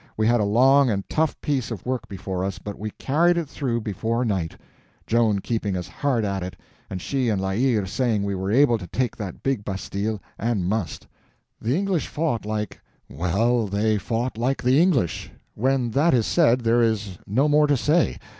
We had a long and tough piece of work before us, but we carried it through before night, Joan keeping us hard at it, and she and La Hire saying we were able to take that big bastille, and must. The English fought like—well, they fought like the English; when that is said, there is no more to say.